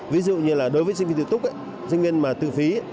ví dụ như là đối với sinh viên tự túc sinh viên mà tự phí